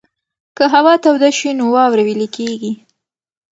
که هوا توده شي نو واوره ویلې کېږي.